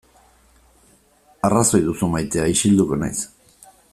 Arrazoi duzu maitea, isilduko naiz.